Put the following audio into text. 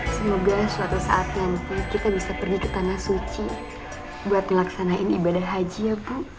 semoga suatu saatnya mungkin kita bisa pergi ke tanah suci buat melaksanakan ibadah haji ya